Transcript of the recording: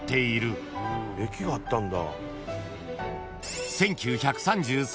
駅があったんだ。